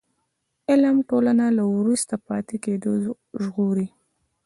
علم ټولنه له وروسته پاتې کېدو ژغوري.